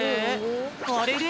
あれれ！？